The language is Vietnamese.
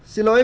xin lỗi cô